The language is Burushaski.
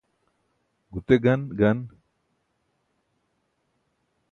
gute gan gan